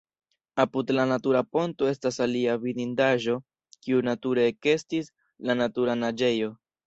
Apud la natura ponto estas alia vidindaĵo kiu nature ekestis, la Natura Naĝejo.